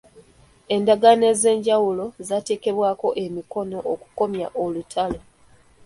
Endagaano ez'enjawulo zaateekebwako emikono okukomya olutalo.